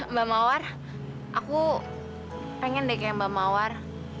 mbak mawar aku pengen deh kayak mbak mawar